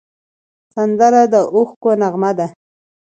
سندره د اوښکو نغمه ده